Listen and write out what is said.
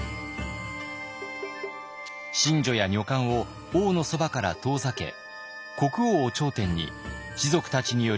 神女や女官を王のそばから遠ざけ国王を頂点に士族たちによる政治体制を築き上げたのです。